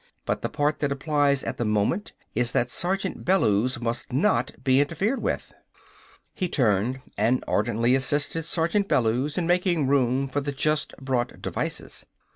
But the part that applies at the moment is that Sergeant Bellews must not be interfered with." He turned and ardently assisted Sergeant Bellews in making room for the just brought devices.